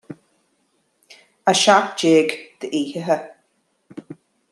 A seacht déag d'fhichithe